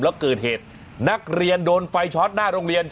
แล้วเกิดเหตุนักเรียนโดนไฟช็อตหน้าโรงเรียน